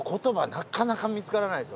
なかなか見つからないですよ